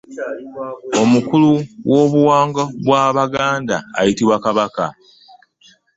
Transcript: Omukulu w'obuwangwa bwa Baganda ayitiibwa "kabaka".